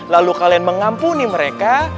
lalu kalian mengampuni mereka